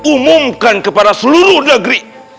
umumkan kepada seluruh negeri